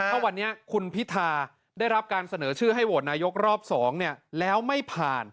ถ้าวันนี้คุณพิธาได้รับการเสนอชื่อให้โหวตนายกรอบ๒แล้วไม่ผ่าน